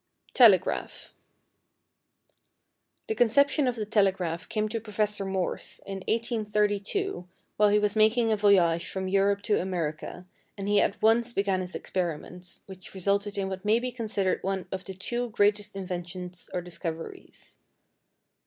=Telegraph.= The conception of the telegraph came to Professor Morse, in 1832, while he was making a voyage from Europe to America, and he at once began his experiments, which resulted in what may be considered one of the two greatest inventions or discoveries.